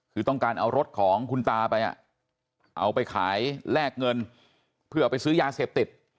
คือต้องการเอารถของคุณตาไปเอาไปขายแลกเงินเพื่อไปซื้อยาเสพติด